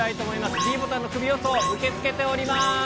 ｄボタンのクビ予想、受け付けております。